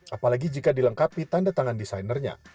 apalagi jika dilengkapi tanda tangan desainernya